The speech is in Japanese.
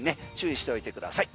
注意しておいてください。